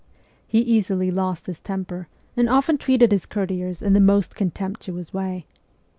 He easily lost his temper, and often treated his courtiers in the most contemptuous way.